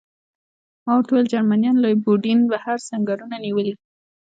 ما ورته وویل: جرمنیانو له یوډین بهر سنګرونه نیولي.